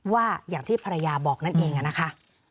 ว่าอย่างที่ภรรยาบอกนั่นเองนะคะ